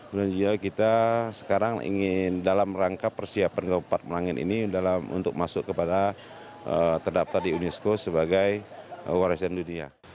sehingga kita sekarang ingin dalam rangka persiapan gawapak merangin ini untuk masuk terdaftar di unesco sebagai warisan dunia